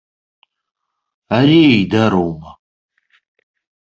Ари еидароума!